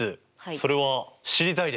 それは知りたいです！